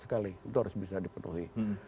sekali itu harus bisa dipenuhi